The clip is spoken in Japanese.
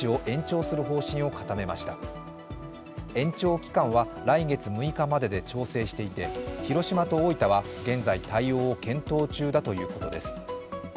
延長期間は来月６日までで調整していて広島と大分は、現在対応を検討中だということです。